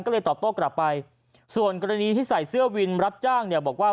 ก็เลยตอบโต้กลับไปส่วนกรณีที่ใส่เสื้อวินรับจ้างเนี่ยบอกว่า